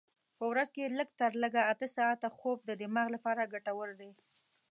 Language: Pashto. په ورځ کې لږ تر لږه اته ساعته خوب د دماغ لپاره ګټور دی.